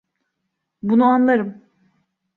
Bunu anlarım.